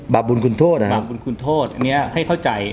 บาปบุญคุณโทษอ่ะครับบาปบุญคุณโทษอันเนี้ยให้เข้าใจ